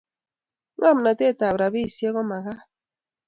Ngomnatet ab rabisek komakat